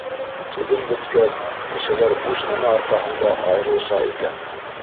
Түҙем бөткәс, кешеләр буш нәмә арҡаһында айырылыша икән.